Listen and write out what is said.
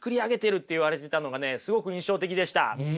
すごく印象的でした。